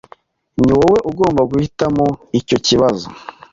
Ni wowe ugomba guhitamo icyo kibazo.